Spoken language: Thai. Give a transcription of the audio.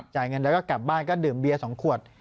จ่ายเงินแล้วก็กลับบ้านก็ดื่มเบียร์๒ขวด